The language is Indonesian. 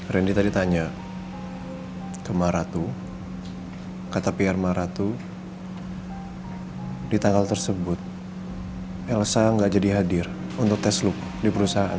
randy tadi tanya ke maratu kata pr maratu di tanggal tersebut elsa tidak jadi hadir untuk tes loop di perusahaan